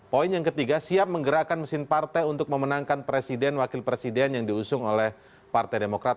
poin yang ketiga siap menggerakkan mesin partai untuk memenangkan presiden wakil presiden yang diusung oleh partai demokrat